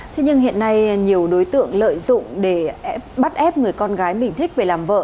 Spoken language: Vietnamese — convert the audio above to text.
thế nhưng hiện nay nhiều đối tượng lợi dụng để bắt ép người con gái mình thích về làm vợ